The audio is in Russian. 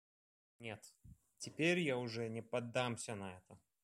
Нет, теперь я уже не поддамся на это!